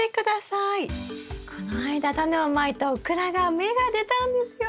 この間タネをまいたオクラが芽が出たんですよ。